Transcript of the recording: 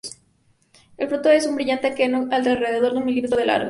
El fruto es un brillante aquenio de alrededor de un milímetro de largo.